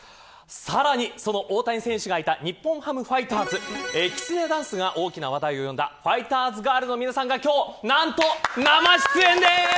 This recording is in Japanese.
さらに、その大谷選手がいた日本ハムファイターズきつねダンスが話題を呼んだファイターズガールの皆さんがなんと、今日、生出演です。